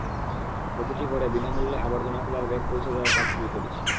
প্রতিটি ঘরে বিনা মূল্যে আবর্জনা ফেলার ব্যাগ পৌঁছে দেওয়ার কাজ শুরু করেছি।